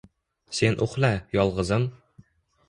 Sen uxla, yolg’izim.